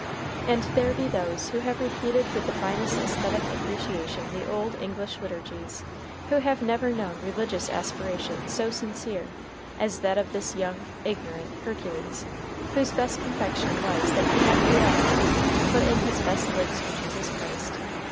And there be those who have repeated with the finest æsthetic appreciation the old English liturgies who have never known religious aspiration so sincere as that of this ignorant young Hercules, whose best confession was that he meant hereafter "to put in his best licks for Jesus Christ."